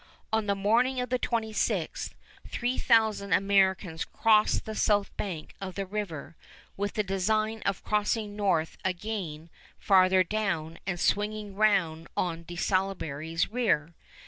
On the morning of the 26th three thousand Americans cross the south bank of the river, with the design of crossing north again farther down and swinging round on De Salaberry's rear.